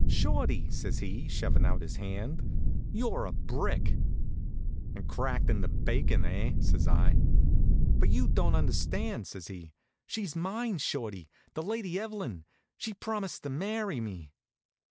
"Shorty," says he, shovin' out his hand, "you're a brick." "An' cracked in the bakin', eh?" says I. "But you don't understand," says he. "She's mine, Shorty! The Lady Evelyn she's promised to marry me."